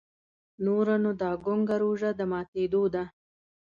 نوره نو دا ګونګه روژه د ماتېدو ده.